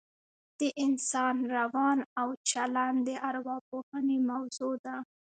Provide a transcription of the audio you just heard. د انسان روان او چلن د اوراپوهنې موضوع ده